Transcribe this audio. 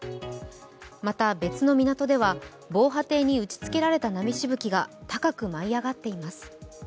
また、別の港には防波堤に打ち付けられた波しぶきが高く舞い上がっています。